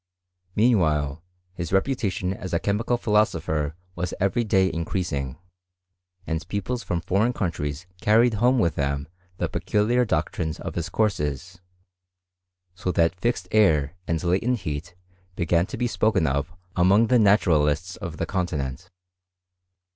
Meanwhile his reputa tion as a chemical philosopher was every day increasing, emd pupils from foreign countries carried home with them tlie peculiar doctrines of his courses — so that fixed air and latent heat began to be spoken of among the naturalists of the continent.